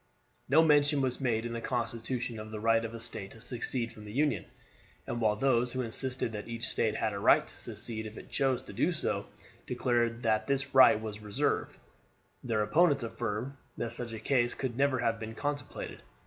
No mention was made in the constitution of the right of a State to secede from the Union, and while those who insisted that each State had a right to secede if it chose to do so declared that this right was reserved, their opponents affirmed that such a case could never have been contemplated.